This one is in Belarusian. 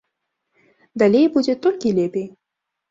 Далей будзе толькі лепей.